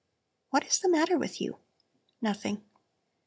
"What is the matter with you?" "Nothing."